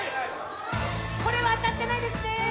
これは当たってないですね、残念。